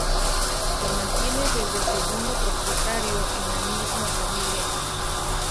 Se mantiene desde el segundo propietario en la misma familia.